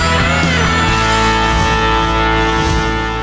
โอ้ไทยแลนด์